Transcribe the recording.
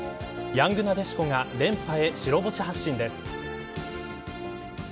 ヤングなでしこが連覇へ白星発進です。